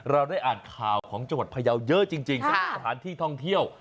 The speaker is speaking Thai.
เราได้อ่านข่าวของจังหวัดพยาวเยอะจริงสำหรับสถานที่ท่องเที่ยว